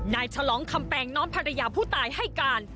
ฉลองคำแปลงน้อมภรรยาผู้ตายให้การ